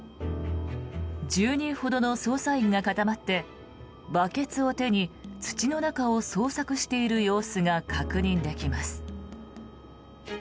１０人ほどの捜査員が固まってバケツを手に土の中を捜索している様子が確認できます。